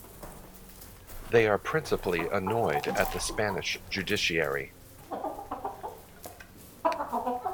They are principally annoyed at the Spanish Judiciary.